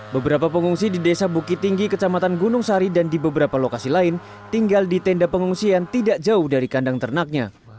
beberapa pengungsi di desa bukit tinggi kecamatan gunung sari dan di beberapa lokasi lain tinggal di tenda pengungsian tidak jauh dari kandang ternaknya